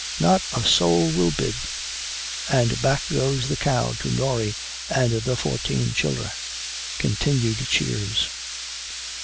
Not a soul will bid, and back goes the cow to Norry and the fourteen childer (continued cheers)."